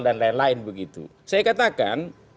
dan lain lain begitu saya katakan